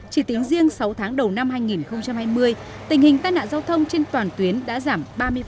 chỉ tiếng riêng sáu tháng đầu năm hai nghìn hai mươi tình hình tai nạn giao thông trên toàn tuyến đã giảm ba mươi